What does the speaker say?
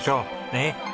ねっ！